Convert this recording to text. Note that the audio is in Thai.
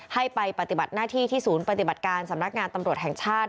ให้ไปปฏิบัติหน้าที่ที่ศูนย์ปฏิบัติการสำนักงานตำรวจแห่งชาติ